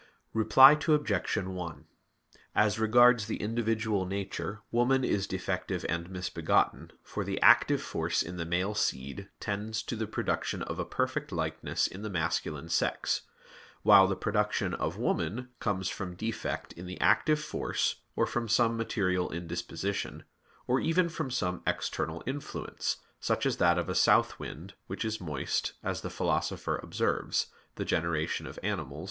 Reply Obj. 1: As regards the individual nature, woman is defective and misbegotten, for the active force in the male seed tends to the production of a perfect likeness in the masculine sex; while the production of woman comes from defect in the active force or from some material indisposition, or even from some external influence; such as that of a south wind, which is moist, as the Philosopher observes (De Gener. Animal.